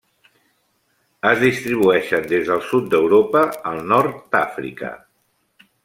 Es distribueixen des del sud d'Europa al nord d'Àfrica.